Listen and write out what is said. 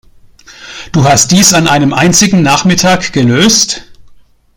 Du hast dies an einem einzigen Nachmittag gelöst?